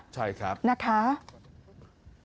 ใช่ครับนะคะขอบคุณครับขอบคุณครับ